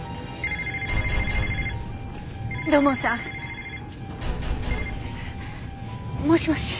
土門さん！もしもし？